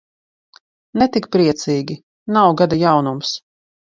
Ne tik priecīgi, nav gada jaunums.